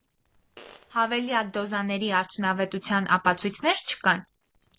Հավելյալ դոզաների արդյունավետության ապացույցներ չկան։